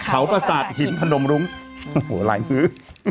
เขาประสาทหินพนมรุ้งโอ้โหหลายมื้อ